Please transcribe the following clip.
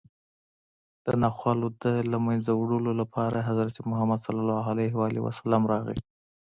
د ناخوالو د منځه وړلو لپاره حضرت محمد صلی الله علیه وسلم راغی